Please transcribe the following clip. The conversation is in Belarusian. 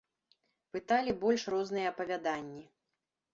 Пыталі больш розныя апавяданні.